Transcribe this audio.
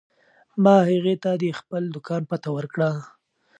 ما هغې ته د خپل دوکان پته ورکړه.